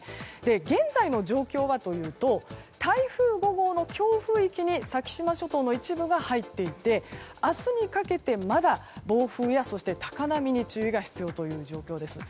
現在の状況はというと台風５号の強風域に先島諸島の一部が入っていて明日にかけてまだ暴風やそして高波に注意が必要という状況です。